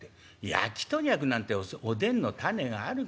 「やきとにゃくなんておでんの種があるかお前。